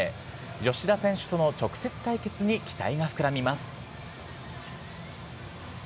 吉田選手との直接対決に期待が膨らみます。